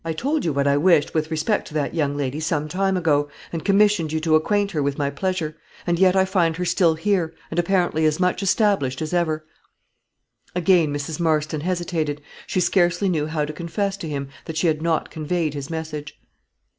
"I told you what I wished with respect to that young lady some time ago, and commissioned you to acquaint her with my pleasure; and yet I find her still here, and apparently as much established as ever." Again Mrs. Marston hesitated. She scarcely knew how to confess to him that she had not conveyed his message.